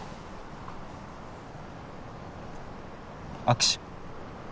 握手